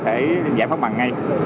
thể giải phóng bằng ngay